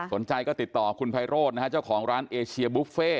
สนใจก็ติดต่อคุณไพโรธนะฮะเจ้าของร้านเอเชียบุฟเฟ่